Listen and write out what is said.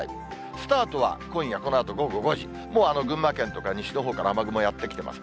スタートは今夜このあと午後５時、群馬県から、西のほうから雨具もやって来てます。